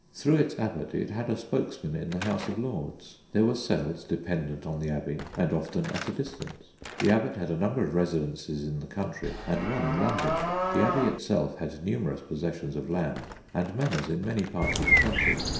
Through its Abbot it had a spokesman in the House of Lords. There were cells dependant on the abbey and often at a distance. The Abbot had a number of residences in the country and one in London. The abbey itself had numerous possessions of land and manors in many parts of the country.